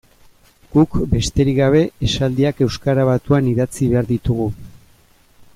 Guk, besterik gabe, esaldiak euskara batuan idatzi behar ditugu.